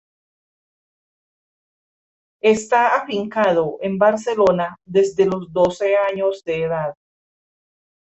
Esta afincado en Barcelona desde los doce años de edad.